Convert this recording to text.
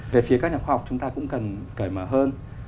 về phía các nhà khoa học chúng ta cũng cần cởi mở hơn